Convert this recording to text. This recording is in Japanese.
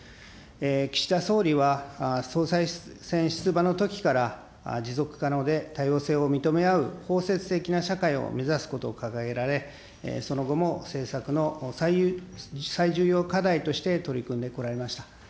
岸田総理は総裁選出馬のときから、持続可能で多様性を認め合う包摂的な社会を目指すことを掲げられ、その後も政策の最重要課題として取り組んでこられました。